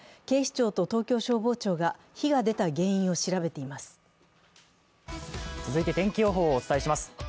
警視庁と東京消防庁が火が出た原因を調べています。